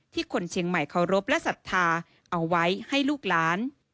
คนเชียงใหม่เคารพและศรัทธาเอาไว้ให้ลูกหลาน